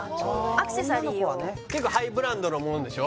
アクセサリーを結構ハイブランドのものでしょ？